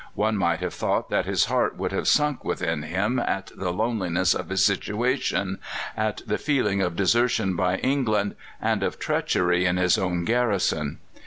One might have thought that his heart would have sunk within him at the loneliness of his situation, at the feeling of desertion by England, and of treachery in his own garrison.